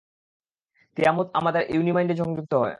তিয়ামুত আমাদের ইউনি-মাইন্ডে যুক্ত হয়।